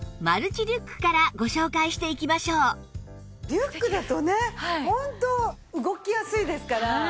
リュックだとねホント動きやすいですから。